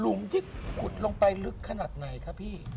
ที่ขุดลงไปลึกขนาดไหนคะพี่